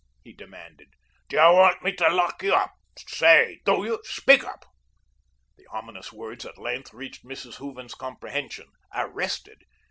he demanded. "Do you want me to lock you up? Say, do you, speak up?" The ominous words at length reached Mrs. Hooven's comprehension. Arrested!